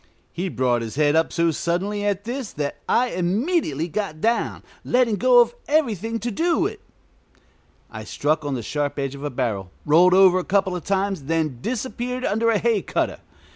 He brought his head up so suddenly at this that I immediately got down, letting go of everything to do it. I struck on the sharp edge of a barrel, rolled over a couple of times, then disappeared under a hay cutter.